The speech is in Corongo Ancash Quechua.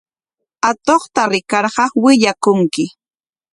Atuqta rikarqa willakunki.